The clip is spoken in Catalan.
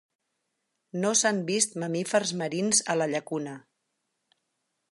No s'han vist mamífers marins a la llacuna.